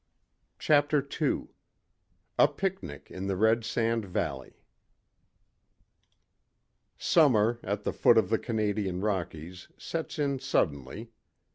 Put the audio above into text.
CHAPTER II A PICNIC IN THE RED SAND VALLEY Summer, at the foot of the Canadian Rockies, sets in suddenly.